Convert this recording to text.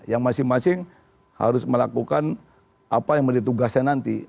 yang masing masing harus melakukan apa yang ditugaskan nanti